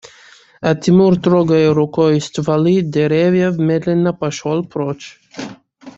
А Тимур, трогая рукой стволы деревьев, медленно пошел прочь